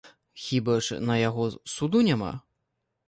Хіба ж на яго суду няма?